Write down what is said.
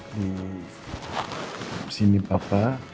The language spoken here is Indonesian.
di sini papa